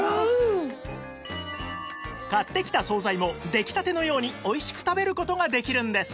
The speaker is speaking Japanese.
買ってきた惣菜も出来たてのようにおいしく食べる事ができるんです